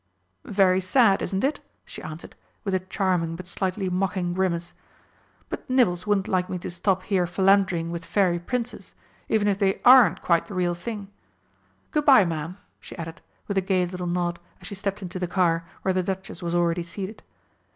"Very sad, isn't it?" she answered, with a charming but slightly mocking grimace. "But Nibbles wouldn't like me to stop here philandering with Fairy Princes even if they aren't quite the real thing. Good bye, Ma'am," she added, with a gay little nod, as she stepped into the car, where the Duchess was already seated.